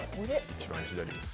一番左です。